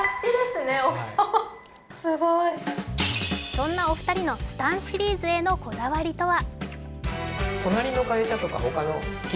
そんなお二人のＳＴＡＮ．シリーズへのこだわりとは？